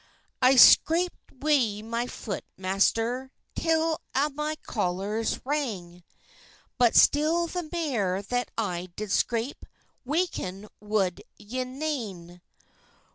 "I scraped wi' my foot, master, Till a' my collars rang, But still the mair that I did scrape, Waken woud ye nane."